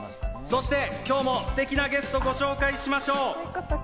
そして今日もすてきなゲストをご紹介しましょう。